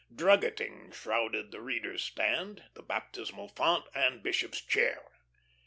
Druggeting shrouded the reader's stand, the baptismal font, and bishop's chair.